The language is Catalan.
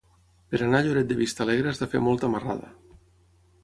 Per anar a Lloret de Vistalegre has de fer molta marrada.